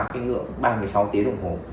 cái ngưỡng ba mươi sáu tiếng đồng hồ